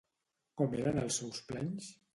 Com eren els seus planys?